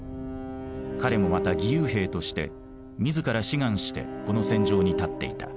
彼もまた義勇兵として自ら志願してこの戦場に立っていた。